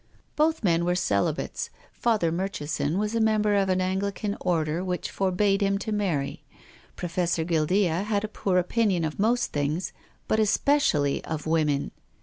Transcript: Both men were celibates. Father Murchison was a member of an Anglican order which for bade him to marry. Professor Guildea had a poor opinion of most things, but especially of women.